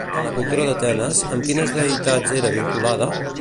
En la cultura d'Atenes, amb quines deïtats era vinculada?